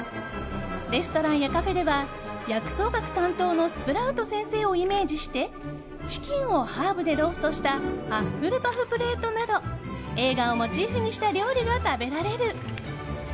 レストランやカフェでは薬草学担当のスプラウト先生をイメージしてチキンをハーブでローストしたハッフルパフプレートなど映画をモチーフにした料理が食べられる。